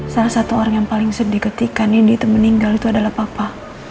salah satu orang yang paling sedih ketika nindi itu meninggal itu adalah papa